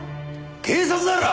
警察だろ！